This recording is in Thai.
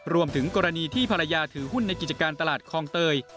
รวมถึงกรณีที่ภรรยาถือหุ้นในกิจการตลาดคลองเตย